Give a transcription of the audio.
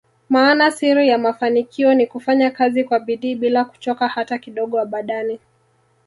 Maana Siri ya mafanikio Ni kufanya Kazi kwa bidii bila kuchoka hata kidogo abadani